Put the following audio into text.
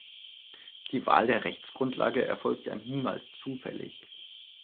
Die Wahl der Rechtsgrundlage erfolgt ja niemals zufällig.